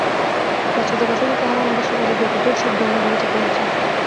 ব্যস্ততাবশত তাঁহারা আমাদের সমাজের যত দোষ, সব ধর্মের ঘাড়ে চাপাইয়াছেন।